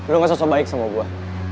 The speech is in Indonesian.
lo gak sosok baik sama gue